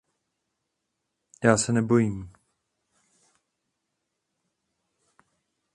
Já se nebojím.